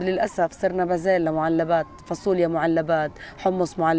ini adalah hal yang sangat sulit untuk kita